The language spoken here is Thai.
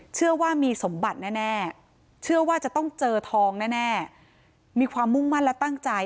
เชื่อว่ามีสมบัติแน่เชื่อว่าจะต้องเจอทองแน่มีความมุ่งมั่นและตั้งใจ